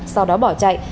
sau đó bỏ chạy